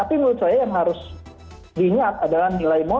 tapi menurut saya yang harus diingat adalah gambir itu dekat dengan monas